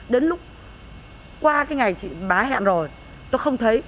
đến lúc qua cái ngày bà hẹn rồi tôi không thấy